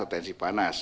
atau tensi panas